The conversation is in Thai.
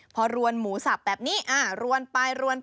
พอรวนหมูสับแบบนี้รวนไป